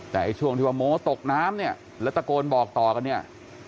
แต่ไอ้ช่วงที่ว่าโม้ตกน้ำเนี่ยแล้วตะโกนบอกต่อกันเนี่ย